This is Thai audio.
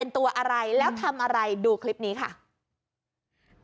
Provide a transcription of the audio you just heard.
ตัวอะไรแล้วทำอะไรดูคลิปนี้ค่ะ